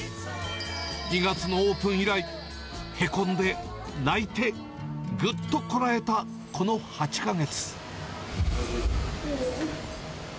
２月のオープン以来、へこんで、泣いて、ぐっとこらえたこの８か月。